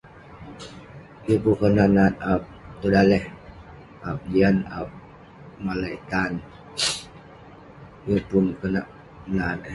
Yeng pun konak nat aap tong daleh, app jian aap malai tan. Yeng pun konak menat eh.